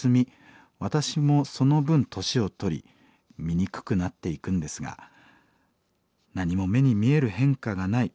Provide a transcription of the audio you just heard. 私もその分年を取り醜くなっていくんですが何も目に見える変化がない。